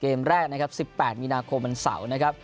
เกมแรก๑๘มีนาคมมันเสาร์